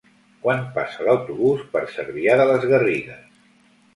Quan passa l'autobús per Cervià de les Garrigues?